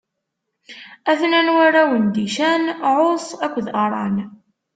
A-ten-an warraw n Dican: Ɛuṣ akked Aran.